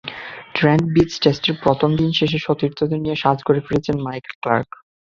Trent Bridge টেস্টের প্রথম দিন শেষে সতীর্থদের নিয়ে সাজঘরে ফিরছেন মাইকেল ক্লার্ক।